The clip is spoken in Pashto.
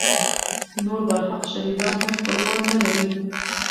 نور برحق شهیدان هم خپلوان نه لري.